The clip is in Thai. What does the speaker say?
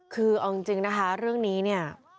คือเอาจริงนะคะเรื่องนี้เนี่ย